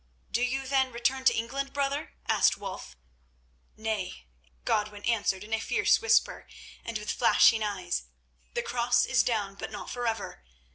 "Do you, then, return to England, brother?" asked Wulf. "Nay," Godwin answered, in a fierce whisper and with flashing eyes, "the Cross is down, but not forever.